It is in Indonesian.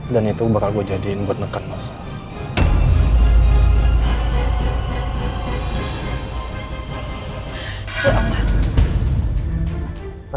dan itu bakal gue jadiin buat nekan lo zainal